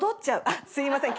あっすいません。